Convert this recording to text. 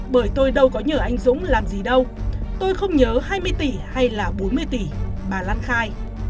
bởi tôi đâu có nhờ anh dũng làm gì đâu tôi không nhớ hai mươi tỷ hay là bốn mươi tỷ bà lan khai